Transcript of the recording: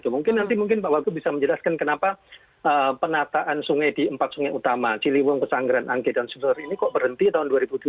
mungkin nanti pak wagub bisa menjelaskan kenapa penataan sungai di empat sungai utama ciliwung kali sunter kali pesanggerahan kali angke dan seterusnya ini kok berhenti tahun dua ribu tujuh belas